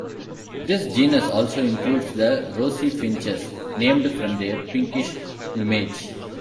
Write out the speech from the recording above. This genus also includes the rosy finches, named from their pinkish plumage.